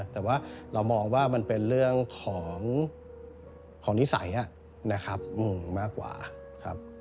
แต่ว่าเรามองว่ามันเป็นเรื่องของนิสัยนะครับมากกว่าครับ